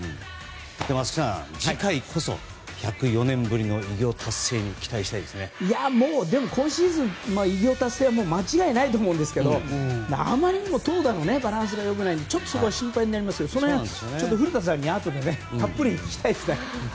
松木さん、次回こそ１０４年ぶりの偉業達成にもう今シーズンの偉業達成は間違いないと思うんですけどあまりにも投打のバランスが良くないので心配になりますけどその辺、古田さんにあとでたっぷり聞きたいですね。